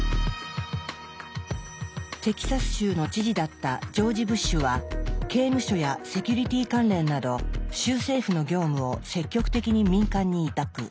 テキサス州の知事だったジョージ・ブッシュは刑務所やセキュリティ関連など州政府の業務を積極的に民間に委託。